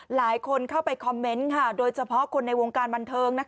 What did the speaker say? หลายคนเข้าไปคอมเมนต์โดยเฉพาะคนในวงการบันเทิง